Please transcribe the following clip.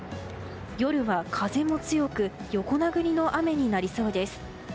夜は風も強く横殴りの雨になりそうです。